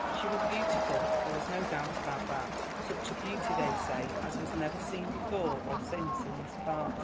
"She was beautiful, there was no doubt about that. Such a beauty, they say, as was never seen before or since in this part.